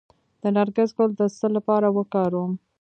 د نرګس ګل د څه لپاره وکاروم؟